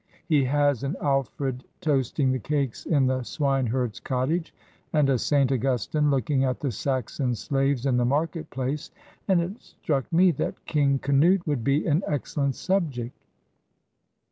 He has an 'Alfred toasting the cakes in the swine herd's cottage,' and a 'St. Augustine looking at the Saxon slaves in the market place,' and it struck me that 'King Canute' would be an excellent subject."